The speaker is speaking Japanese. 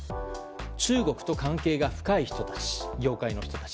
中国と関係が深い業界の人たち。